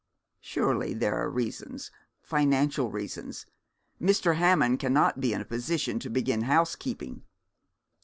'Surely there are reasons financial reasons. Mr. Hammond cannot be in a position to begin housekeeping.'